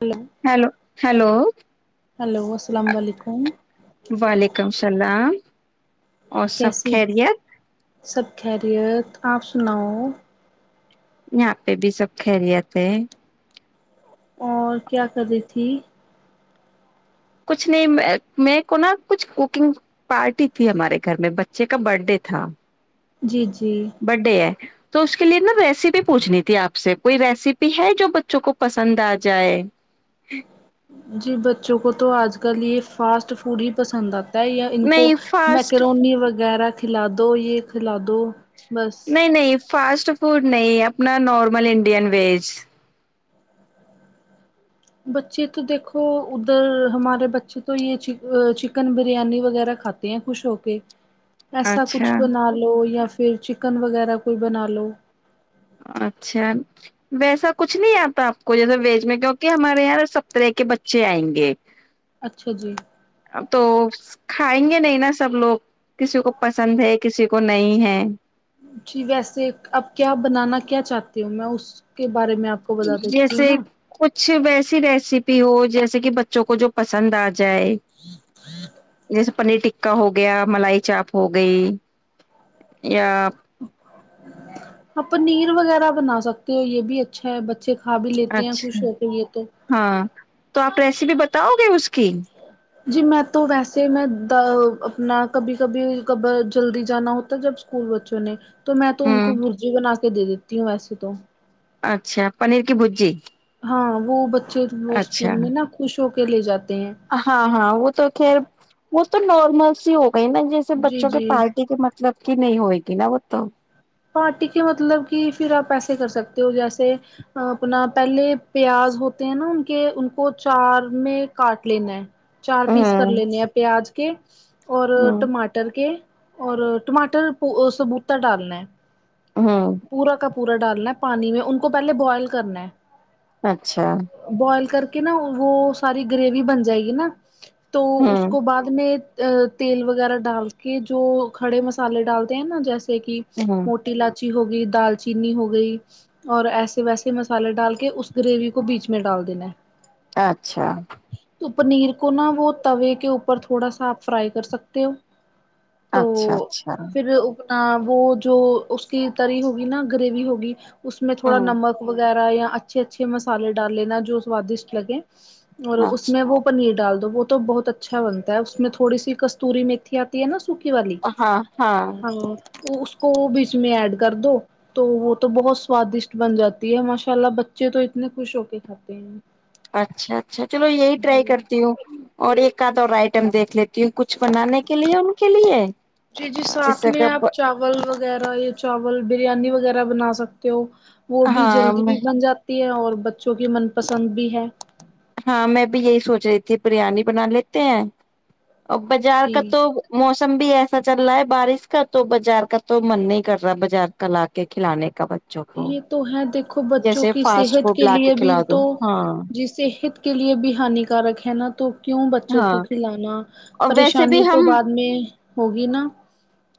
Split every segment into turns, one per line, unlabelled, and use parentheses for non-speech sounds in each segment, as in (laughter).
hello
hello hello
hello السلام علیکم
وعلیکم السلام اور سب
کیسی ہے
خیریت
سب خیریت آپ سناؤ
یہاں پہ بھی سب خیریت ہے
اور کیا کر رہی تھی
کچھ نہیں میں کو نا کچھ کوکنگ پارٹی تھی ہمارے گھر میں بچے کا برتھڈے تھا
جی جی
برتھڈے ہیں تو اس کے لیے نا ریسیپی پوچھنی تھی آپ سے کوئی ریسیپی ہے جو بچوں کو پسند آ جائے
جی بچوں کو تو آج کل یہ فاسٹ فوڈ ہی پسند آتا ہے ان کو
نہیں فاسٹ
میکرونی وغیرہ کھیلا دو یہ کھیلا دو بس
نہیں نہیں فاسٹ فوڈ نہیں اپنا نارمل انڈین ویج
بچے تو دیکھو ادھر ہمارے بچے تو یہ چکن بریانی وغیرہ کھاتے ہیں خوش ہو کے ایسا کچھ
اچھا
بنا لو یا پھر چکن وغیرہ کوئی بنا لو
اچھا ویسا کچھ نہیں آتا آپ کو جیسے ویج میں کیونکہ ہمارے یہاں سب ترہا کے بچے آئیں گے
اچھا جی
اب تو کھائیںگے نہیں نا سب لوگ کسی کو پسند ہے کسی کو نہیں ہے
جی ویسے اب کیا بنانا کیا چاہتی ہوں میں اس کے بارے میں آپ کو بتا دیتی ہوں
جیسے
نا
کچھ ویسی ریسیپی ہو جیسے کہ بچوں کو جو پسند آ جائے جیسے پنیر ٹکا ہو گیا ملائی چاپ ہو گئی یا
آپ پنیر وغیرہ بنا سکتے ہو یہ بھی ایک اچھا ہے بچے کھا بھی لیتے ہیں
اچھا
خوش ہو کے یہ تو
ہاں تو آپ ریسیپی بتاؤ گے اس کی
جی میں تو ویسے میں اپنا کبھی کبھی کب جلدی جانا ہوتا جب بچوں نے تو میں تو ان
ہوں
کو بھرجی بنا کے دے دیتی ہوں ویسے تو
اچھا پنیر کی بھرجی
ہاں وہ بچے وہ اسکول میں نا خوش ہو کے لے جاتے ہیں
ہاں ہاں وہ تو خیر وہ تو نارمل سی ہو گئی نا جیسے سے
جی
بچوں کے
جی
پارٹی کے مطلب کی نہیں ہوئے گی نا وہ تو
پارٹی کے مطلب کی پھر آپ ایسے کر سکتے ہو جیسے اپنا پہلے پیاز ہوتے ہیں نا ان کے ان کو چار میں کاٹ لینا ہے چار پیس
ہاں
کر لینے ہیں پیاز کے اور
ہوں
ٹماٹر کے اور ٹماٹر پو سبوٹا ڈالنا ہے
ہاں
پورا کا پورا ڈالنا ہے پانی میں ان کو پہلے بوائل کرنا ہے
اچھا
بوائل کر کے نا وہ ساری گریوی بن جائے گی نا تو اس
ہوں
کو بعد میں تیل وغیرہ ڈال کے جو کھڑے مسالے ڈالتے ہیں نا جیسے کی
ہوں
موٹی الاچی ہو گئی دال چینینی ہو گئی اور ایسے ویسے مسالے ڈال کے اس گریوی کو بیچ میں ڈال دینا
اچھا
تو پنیر کو نا وہ توے کے اوپر تھوڑا سا آپ فرائی کر سکتے ہو تو
اچھا اچھا
پھر آں وہ جو اس کی تری ہوگی نا گریوی ہوگی اس میں تھوڑا
ہوں
نمک وغیرہ یا اچھے اچھے مسالے ڈال لینا جو سوادشٹ لگے اور اس میں
اچھا
وہ پنیر ڈال دو وہ تو بہت اچھا بنتا ہے اس میں تھوڑی سی کستوری میتھی آ نا سوکھی والی
ہاں ہاں
ہمم تو اس کو بیچ میں ایڈ کر دو تو وہ تو بہت سوادشٹ بن جاتی ہے ماشاء اللہ بچے تو اتنے خوش ہو کے کھاتے ہیں
اچھا اچھا چلو یہی ٹرائی
جی
کرتی ہوں اور ایک آد اور آئٹم دیکھ لیت کی کچھ بنانے کے لیے ان کے لیے
جی جی ساتھ
جیسا
میں
کہ
آپ
پ
چاول وغیرہ یا چاول بریانی وغیرہ بنا سکتے ہو وہ بھی
ہاں
جلدی بھی بن جات اور بچوں کی من پسند بھی ہے
ہاں میں بھی یہی سوچ رہی تھی بریانی بنا لیتے ہیں اور بازار
جی
کا تو موسم بھی ایسا چل رہا ہے بارش کا تو بازار کا تو من نہیں کر رہا بازار کا لا کے کھلانے کا بچوں کو
یہ تو ہے دیکھو بچوں
جیسے
کی
فاسٹ
صحت
فوڈ
کے
لا
لیے بھی
کھلا دو
تو
ہاں
جس صحت کے لیے بھی ہانیکارک ہے نا تو کیوں بچوں
ہاں
کو کھلانا
اور ویسے بھی
پریشانی تو
ہم
بعد میں ہوگی نا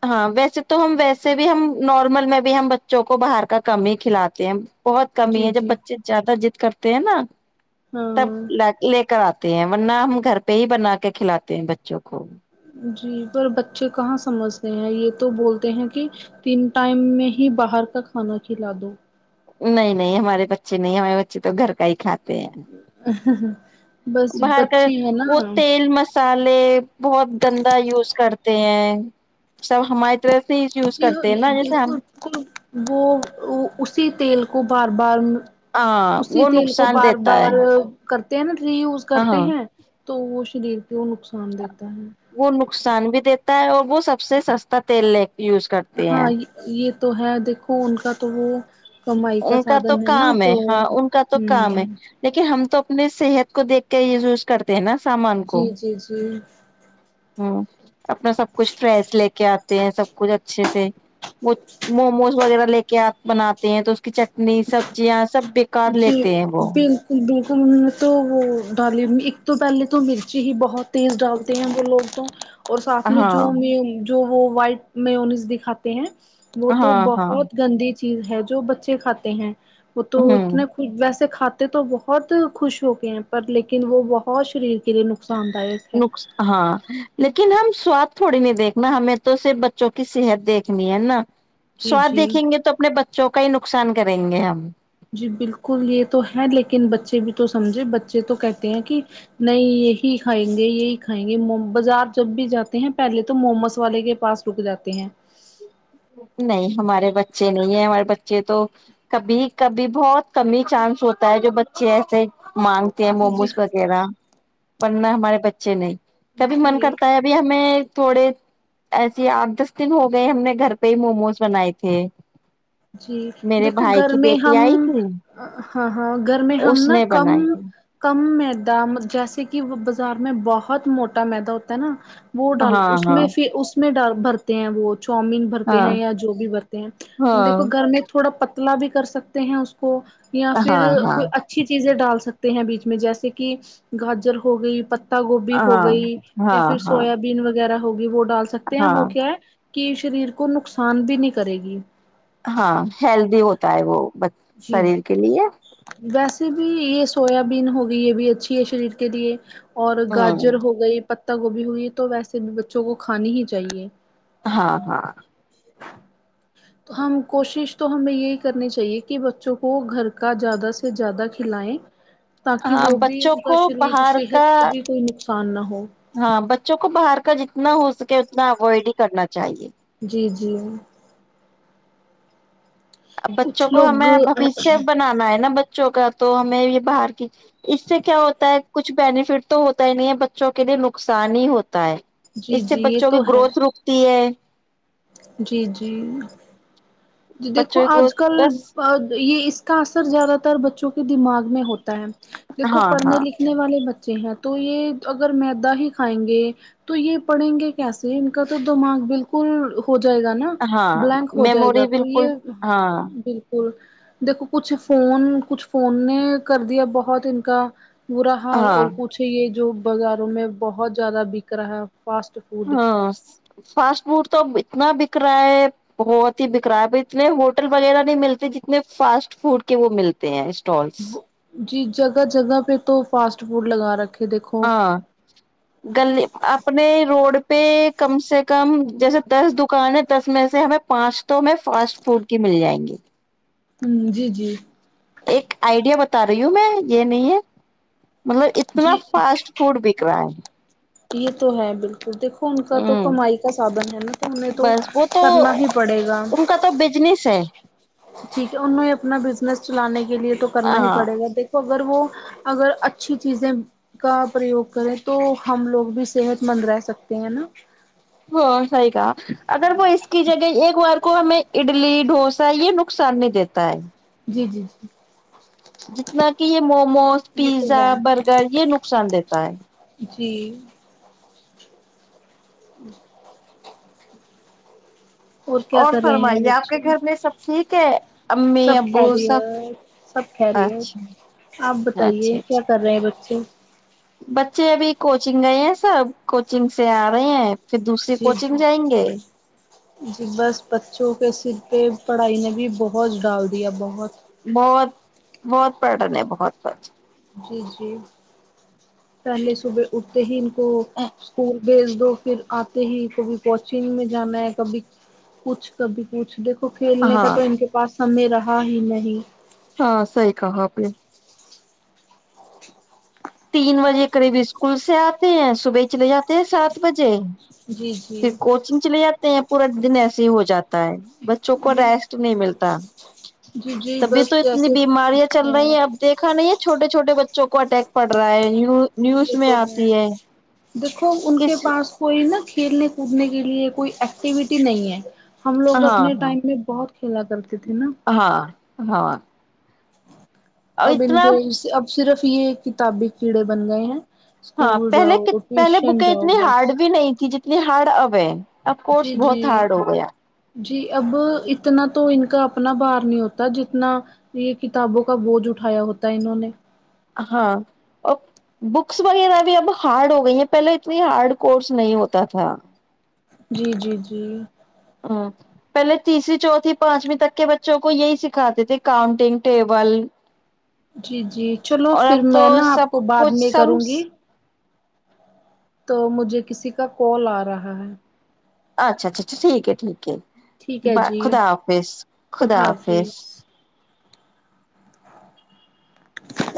ہاں ویسے تو ہم ویسے بھی ہم نارمل میں بھی ہم بچوں کو باہر کا کم ہی کھلاتے ہیں بہت کم
جی
ہی جب
جی
بچے زیادہ ضد کرتے ہیں نا تب
ہاں
لاک لے کر آتے ہیں ورنہ ہم گھر پہ ہی بنا کے کھلاتے ہیں بچوں کو
جی پر بچے کہاں سمجھتے ہیں یہ تو بولتے ہیں کہ تین ٹائم میں ہی باہر کا کھانا کھلا دو
نہیں نہیں ہمارے بچے نہیں ہمارے بچے تو گھر کا ہی کھاتے
بس جو
باہر کا
بچے ہیں
وہ
نا
تیل م مسالے بہت گندا یوز کرتے ہیں سب ہمارے رح سے یوز
جی
کرتے ہیں
یہ
ن جس
بالکل وہ اسی تیل کو بار بار
ہاں
اسی
وہ
تیل کو
نقصان
بار
دیتا
بار
ہے
کرتے ہیں نا ری یوز
ہاں
کرتے
ہاں
ہیں تو وہ شریر کو وہ نقصان دیتا ہے
وہ نقصان بھی دیتا ہے اور وہ سب سے سستا تیل ل یوز کرتا
ہاں یہ تو ہے دیکھو ان کا تو وہ کمائی
ان کا تو
سادھن نا
کام ہے
تو
ہاں ان کا تو کام
ہ
ہے لیکن ہم تو اپنی صحت کو دیکھ کے یوز کرتے ہیں نا سامان کو
جی جی جی
ہوں اپنا سب کچھ فریش لے کے آتے ہیں سب کچھ اچھے سے وہ موموز وغیرہ لے کے آپ بناتے ہیں تو کی چٹنی سبزیاں سب بیکار
جی
لیتے ہیں وہ
بالکل بالکل میں نے تو وہ ڈالی ایک تو پہلے تو مرچی ہی بہت تیز ڈال وہ لوگ تو اور ساتھ میں
ہاں
جو جو وہ وائٹ مایونیز دیکھا وہ تو
ہاں ہاں
بہت گندی چیز ہے جو بچے کھاتے ہیں وہ تو
ہوں
اتنے ویسے کھاتے تو بہت خوش ہو کے ہیں پر لیکن وہ بہت شریر کے لیے نقصان داک
نقصان ہاں لیکن ہم سواد تھوڑی نہیں دیکھنا ہمیں تو صرف بچوں کی صحت دیکھنی ہے نا
جی
سواد
جی
دیکھیں گے تو اپنے بچوں کا ہی نقصان کریں گے ہم
جی بالکل یہ تو ہے لیکن بچے بھی تو سمجھے بچے تو کہتے ہیں کہ نہیں یہی کھائیں گے یہی کھائیں گے بازار جب بھی جاتے ہیں پہلے تو مومس والے کے پاس رک جاتے ہیں
نہیں ہمارے بچے نہیں ہے ہمارے بچے تو کبھی کبھی بہت کم ہی چانس ہوتا ہے جو بچے ایسے مانگ
جی جی
موموز وغیرہ بننا ہمارے بچے نہیں کبھی من
جی
کرتا ہے اب بھی ہمیں تھوڑے ایسے آٹھ دس دن ہو گئے ہم نے گھر پے موموز بنائے تھے
جی
میرے
دیکھو
بھائی
گھر
کی
میں
بیٹی
ہم
آئی تھی
ہاں ہاں گھر میں ہم
اس
نا
نے
کم
بنائی تھی
کم میدا جیسے کہ وہ بازار میں بہت موٹا میدا ہوتا ہے نا وہ ڈال
ہاں
اس
ہاں
میں سے اس میں ڈال بھرتے ہیں وہ چاؤمین بھرتے ہیں
ہاں
یا جو بھی بھرتے ہیں ہم
ہاں
دیکھو گھر میں تھوڑا پتلا بھی کر سکتے ہیں اس کو یا پھر
ہاں ہاں
کوئی اھا اچھی چیزیں ڈال سکتے ہیں بیچ میں جیسے کہ گاجر ہو گئی پتا گوبھی ہو گئی یا
ہاں
پھر
ہاں ہاں
سویابین وغ غیرہ ہوگی وہ ڈال سکتے ہیں
ہاں
وہ کیا ہے کہ شریر کو نقصان بھی نہیں کرے گی
ہاں ہیلدی ہوتا ہے وہ
جی
شریر کے لیے
ویسے بھی یہ سویابین ہوگی یہ بھی اچھی ہے شریر کے لیے اور
ہوں
گاجر ہو گئی پتہ گوبھی ہو گئی تو ویسے بھی بچوں کو کھانی ہی چاہیے
ہاں ہاں
تو ہم کوشش تو ہمیں یہی کرنی چاہیے کہ بچوں کو گھر کا زیادہ سے زیادہ کھلائیں تاکہ
ہاں
وہ بھی
بچوں
ان کا
کو
شریر
باہر کا
صحت کو بھی کوئی نقصان نہ ہو
ہاں بچوں کو باہر کا جتنا ہو سکے اتنا اوائڈ ہی کرنا چاہیے
جی جی
اب بچوں
کچھ
کو
لوگ
ہمیں بوشیہ بنانا ہے نا بچوں کا تو ہمیں یہ باہر کی اس سے کیا ہوتا ہے کچھ بینیفٹ تو ہوتا ہی نہیں ہے بچوں کے لیے نقصان ہی ہوتا ہے
جی
اس سے
جی یہ
بچوں کی
تو ہے
گروتھ رکتی ہے
جی جی دیکھو
بچوں کی
آج
گروتھ
کل
بس
یہ اس کا اثر زیادہ تر بچوں کے دماغ میں ہوتا ہے دیکھو
ہاں
پڑھنے
ہاں
لکھنے نے والے بچے ہیں تو یہ اگر میدا ہی کھائیں گے تو یہ پڑیں گے کیسے ان کا تو دماغ بالکل ہو جائے گا نا
ہاں
بلینک ہو
میموری بل
(unintelligible) بالکل دیکھو کچھ فون کچھ فون نے کر دیا بہت ان کا برا حال
ہاں
اور کچھ یہ جو بازاروں میں بہت زیادہ بک رہا ہے فاسٹ فوڈ
ہاں فاسٹ فوڈ تو اتنا بک رہا ہے بہت ہی بکرا ہے اتنے ہوٹل وغیرہ نہیں ملتے جتنے فاسٹ فوڈ کے وہ ملتے ہیں اسٹالس
جی جگہ جگہ پہ تو فاسٹ فوڈ لگا رکھے دیکھو
ہاں گلی اپنے روڈ پہ کم سے کم جیسے دس دکان ہے دس میں سے ہمیں پانچ تو ہمیں فاسٹ فوڈ کی مل جائیں گی
ھمم جی جی
ایک آئیڈیا بتا رہی ہوں میں یہ نہیں ہے مطلب اتنا
جی
فاسٹ فوڈ بک رہا ہے
یہ تو ہے بالکل دیکھو ان کا تو
ہوں
کمائی کا سادن ہے نا تو ہمیں تو
بس وہ تو
کرنا ہی پڑے گا
ان کا تو بزنس ہے
ٹھیک ہے انہوں اپنا بزنس چلانے کے لیے تو کرنا ہی
ہاں
پڑے گا دیک اگر وہ اگر اچھی چیزیں کا پریوگ کریں تو ہم لوگ بھی صحت مند رہ سکتے ہیں نا
ہاں صحیح کہا اگر وہ اس کی جگہ ایک بار کو ہمیں اڈلی ڈوسا یہ نقصان نہیں دیتا پتا ہے
جی جی جی جی
جتنا کہ یہ موموز
یہ تو
پیزا
ہے
برگر یہ نقصان دیتا ہے
جی جی اور کیا کر رہے ہیں
فرمائیے آپ کے
بچے
گھر میں سب ٹھیک ہے امی
سب
ابو سب
خیریت سب
اچھا
خیریت آپ
اچھا
بتائیے کیا
اچھا
کر رہے ہیں بچے
بچے ابھی کوچنگ گئے ہیں سب کوچنگ سے آ رہے ہیں پھر دوسری
جی
کوچنگ
جی
جائیں گے
جی بس بچوں کے سر پہ پڑھائی نے بھی بہت ڈال دیا بہت
بہت بہت بڈ ن ہے بہت بڈن
جی جی پہلے صبح اٹھتے ہی ان کو اسکول بیھج دو پھر آتے ہی کبھی کوچنگ میں جانا ہے کبھی کچھ کبھی کچھ دیک تو کھیلنے کا
ہاں
تو ان کے پاس سمیں رہا ہی نہیں
ہاں صحیح کہا اپ نے تین بجے قریب اسکول سے آتے ہیں صبح چلے جاتے ہیں سات بجے
جی
پھر
جی
کوچنگ چلے جاتے ہیں پورا دن ایسے ہی ہو جاتا ہے بچوں کو
بال
ریسٹ نہیں ملتا
جی جی
تبھی تو
بس
اتنی
جیسے
بیماریاں چل رہی
ہے
ہیں اب دیکھا نہیں ہے چھوٹے چھوٹے بچوں کو اٹیک پڑ رہا ہے نی نیوز
یہ
میں
تو
آتی ہے
دیکھو ان کے
کس
پاس کوئی نا کھیلنے کودنے کے لیے کوئی ایکٹیویٹی نہیں ہے ہم لوگ
ہاں
اپنے
ہاں
ٹائم میں بہت کھیلا کرتے تھے نا
ہاں ہاں اور
اب ان کے
اتنا
اب صرف یہ کتابی کیڑے بن گئے ہیں
ہاں
اسکول
پہلے
جاؤ
کٹ پہلے
ٹیوشن
بکیں
جاؤ
اتنی ہارڈ
بس
بھی نہیں تھی جتنی ہارڈ اب ہے اب
جی
کورس
جی
بہت ہارڈ ہو گیا
جی اب اتنا تو ان کا اپنا بار نہیں ہوتا جتنا یہ کتابوں کا بوجھ اٹھایا ہوتا ہے انہوں نے
ہاں اب بکس وغیرہ بھی اب ہارڈ ہو گئی ہیں پہلے اتنی ہارڈ کورس نہیں ہوتا تھا
جی جی جی
ہاں پہلے تیسری چوتھی پانچویں تک کے بچوں کو یہی سکھاتے تھے کاؤنٹنگ ٹیبل
جی جی چلو
اور
پھر
اب تو
میں نا
سب
آپ کو بعد
کچھ
میں
سم
کروں گی تو مجھے کسی کا کال آ رہا ہے
اچھا اچھا اچھا ٹھیک ہے ٹھیک ہے
ٹھیک
ب
ہے جی
خدا حافظ خدا حافظ